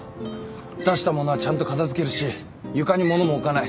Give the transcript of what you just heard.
出した物はちゃんと片付けるし床に物も置かない。